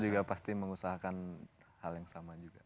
saya juga pasti mengusahakan hal yang sama juga